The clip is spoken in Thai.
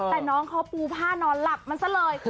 แต่น้องเขาปูผ้านอนหลับมันซะเลย